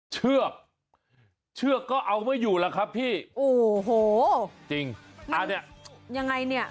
เชือกเชือกก็เอาไม่อยู่แล้วครับพี่โอ้โหจริงอ่าเนี่ยยังไงเนี่ย